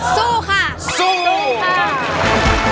สู้ค่ะสู้ค่ะ